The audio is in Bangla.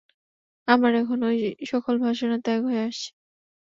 আমার এখন ঐ-সকল বাসনা ত্যাগ হয়ে আসছে।